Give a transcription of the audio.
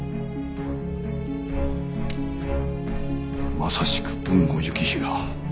まさしく豊後行平。